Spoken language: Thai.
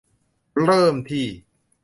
เริ่มที่